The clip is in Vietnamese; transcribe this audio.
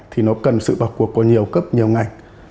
thì nó cần sự vào cuộc của nhiều cấp nhiều ngành